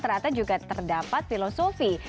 ternyata juga terdapat filosofi